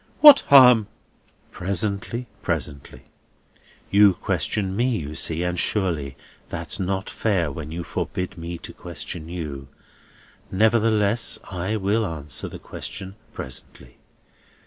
"What harm?" "Presently, presently. You question me, you see, and surely that's not fair when you forbid me to question you. Nevertheless, I will answer the question presently.